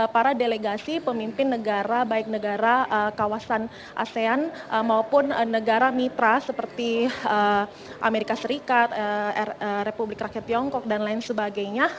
para delegasi pemimpin negara baik negara kawasan asean maupun negara mitra seperti amerika serikat republik rakyat tiongkok dan lain sebagainya